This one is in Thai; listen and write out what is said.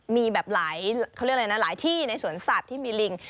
มีแบบหลายที่ในสวนสัตว์ที่มีลิง